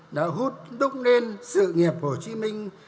đã hút đúc lên sự nghiệp hồ chí minh